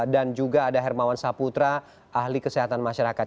dan juga ada hermawan saputra ahli kesehatan masyarakat